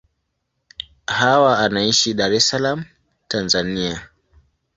Hawa anaishi Dar es Salaam, Tanzania.